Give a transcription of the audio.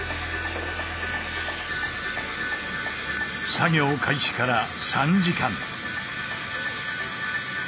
作業開始から３時間。